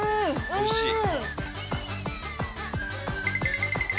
おいしい？